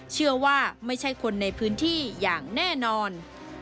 เชื่อว่าไม่ใช่คนในพื้นที่อย่างแน่นอน